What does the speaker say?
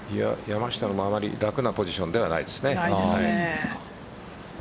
山下の周り楽なポジションではないですね。